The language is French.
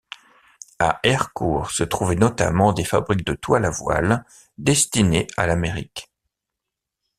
À Ercourt se trouvaient notamment des fabriques de toiles à voiles destinées à l'Amérique.